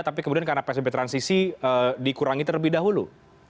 tapi kemudian karena psbb transisi dikurangi terlebih dahulu